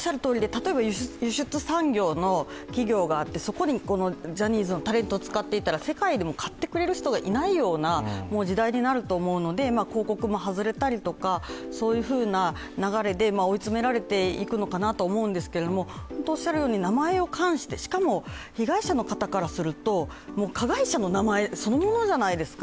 例えばｔ、輸出産業の企業があってそこにジャニーズのタレントを使っていたら、世界でも買ってくれる人がいないような時代になっているので広告も外れたりとか、そういうふうな流れで追い詰められていくのかなと思うんですけど名前を冠して、しかも被害者の方からすると加害者の名前そのものじゃないですか。